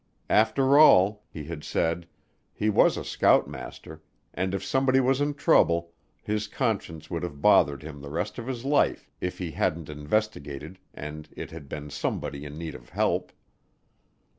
After all, he had said, he was a scoutmaster, and if somebody was in trouble, his conscience would have bothered him the rest of his life if he hadn't investigated and it had been somebody in need of help.